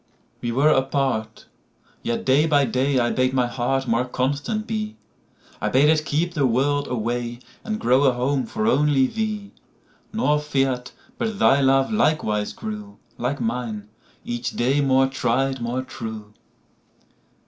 ]WE were apart: yet, day by day,I bade my heart more constant be;I bade it keep the world away, And grow a home for only thee:Nor fear'd but thy love likewise grew, Like mine, each day more tried, more true.